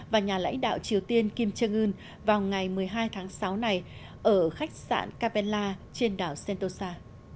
và nhà lãnh đạo triều tiên kim jong un vào ngày một mươi hai tháng sáu này ở khách sạn capella trên đảo sentosa